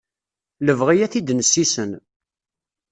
Lebɣi ad t-id-nessisen.